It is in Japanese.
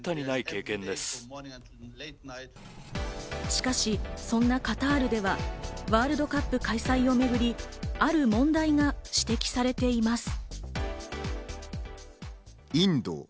しかしそんなカタールではワールドカップ開催をめぐり、ある問題が指摘されています。